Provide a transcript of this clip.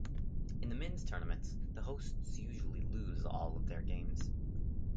In the men's tournaments, the hosts usually lose all of their games.